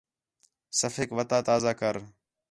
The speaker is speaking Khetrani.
صفحیک وَتا تازہ کر